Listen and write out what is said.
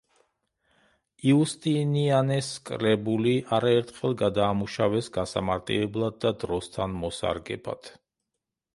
იუსტინიანეს კრებული არაერთხელ გადაამუშავეს გასამარტივებლად და დროსთან მოსარგებად.